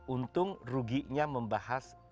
untung ruginya membahas